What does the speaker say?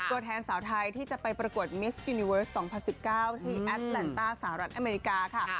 ตัวแทนสาวไทยที่จะไปประกวดมิสยูนิเวิร์ส๒๐๑๙ที่แอดแลนต้าสหรัฐอเมริกาค่ะ